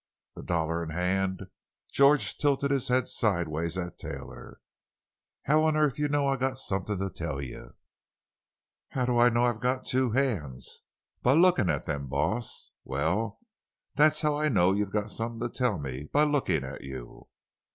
The dollar in hand, George tilted his head sidewise at Taylor. "How on earth you know I got somethin' to tell you?" "How do I know I've got two hands?" "By lookin' at them, boss." "Well, that's how I know you've got something to tell me—by looking at you."